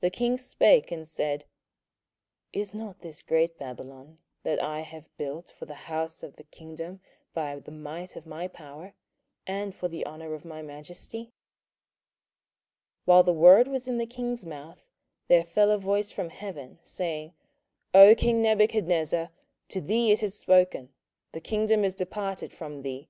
27:004:030 The king spake, and said, Is not this great Babylon, that I have built for the house of the kingdom by the might of my power, and for the honour of my majesty? 27:004:031 While the word was in the king's mouth, there fell a voice from heaven, saying, O king Nebuchadnezzar, to thee it is spoken; The kingdom is departed from thee.